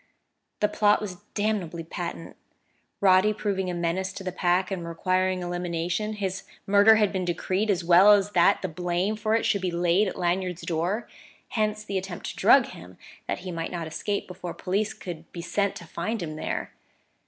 The plot was damnably patent: Roddy proving a menace to the Pack and requiring elimination, his murder had been decreed as well as that the blame for it should be laid at Lanyard's door. Hence the attempt to drug him, that he might not escape before police could be sent to find him there.